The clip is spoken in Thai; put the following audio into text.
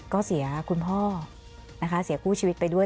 ก็เสียคุณพ่อนะคะเสียคู่ชีวิตไปด้วย